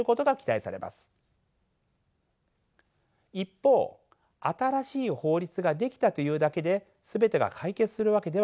一方新しい法律が出来たというだけで全てが解決するわけではありません。